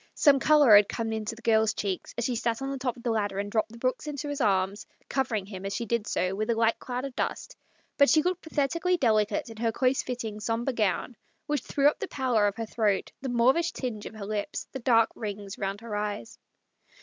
Some colour had come into the girl's cheeks as she sat on the top of the ladder and dropped the books into his arms, covering MARY'S LOVER. 11 him, as she did so, with a light cloud of dust ; but she looked pathetically delicate in her close fitting sombre gown, which threw up the pallor of her throat, the mauvish tinge of her lips, the dark rings round her eyes.